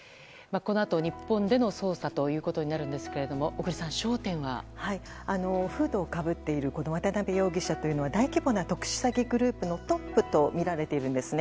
このあと、日本での捜査ということになるんですがフードをかぶっている渡辺容疑者というのは大規模な特殊詐欺グループのトップとみられているんですね。